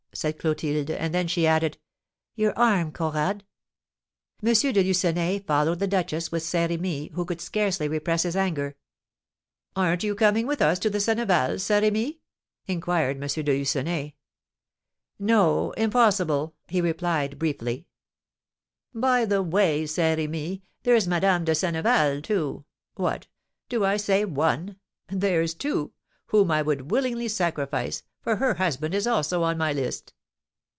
said Clotilde; and then she added, "Your arm, Conrad." M. de Lucenay followed the duchess with Saint Remy, who could scarcely repress his anger. "Aren't you coming with us to the Sennevals, Saint Remy?" inquired M. de Lucenay. "No, impossible," he replied, briefly. "By the way, Saint Remy, there's Madame de Senneval, too, what, do I say one? There's two whom I would willingly sacrifice, for her husband is also on my list."